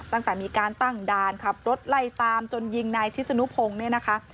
ตั้งแต่มีการตั้งดานรถไล่ตามจนยิงนายธิสนุพงศ์